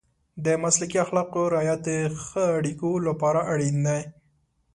د مسلکي اخلاقو رعایت د ښه اړیکو لپاره اړین دی.